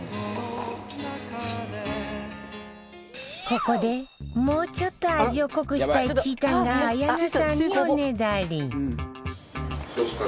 ここで、もうちょっと味を濃くしたいちーたんが綾菜さんにおねだり。